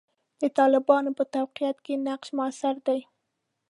د طالبانو په تقویت کې نقش موثر دی.